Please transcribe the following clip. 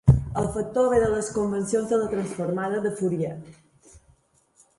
El factor ve de les convencions de la transformada de Fourier.